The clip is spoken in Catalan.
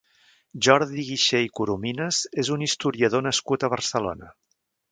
Jordi Guixé i Coromines és un historiador nascut a Barcelona.